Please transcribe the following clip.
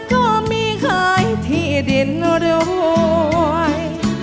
งั้นก็มีใครที่ดินร่วย